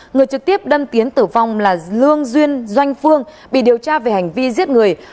người trực tiếp đâm tiến tử vong là lương duyên doanh phương bị điều tra về hành vi giết người